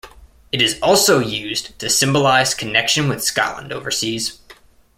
It is also used to symbolise connection with Scotland overseas.